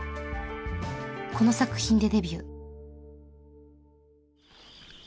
この作品でデビュー。